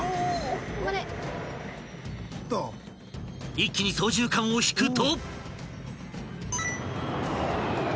［一気に操縦かんを引くと］